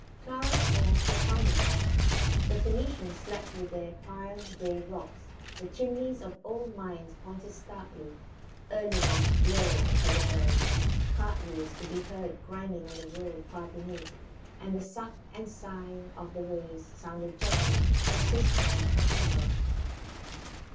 Clara's moors were fine enough. The Phoenicians slept under their piled grey rocks; the chimneys of the old mines pointed starkly; early moths blurred the heather bells; cartwheels could be heard grinding on the road far beneath; and the suck and sighing of the waves sounded gently, persistently, for ever.